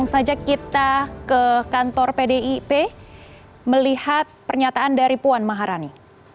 langsung saja kita ke kantor pdip melihat pernyataan dari puan maharani